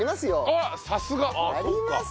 あっさすが！ありますよ！